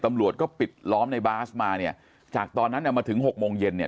ตำรวจก็ปิดล้อมในบาสมาเนี่ยจากตอนนั้นอ่ะมาถึงหกโมงเย็นเนี่ย